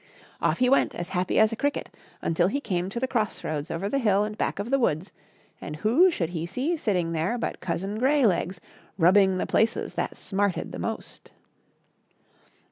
Off he went as happy as a cricket, until he came to the cross roads over the hill and back of the woods, and who should he see sitting there but Cousin Greylegs rubbing the places that smarted the most.